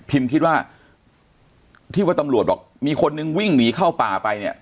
คิดว่าที่ว่าตำรวจบอกมีคนนึงวิ่งหนีเข้าป่าไปเนี่ย